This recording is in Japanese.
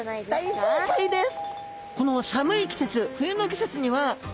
大正解です！